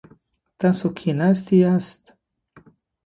تاسو کښیناستی یاست؟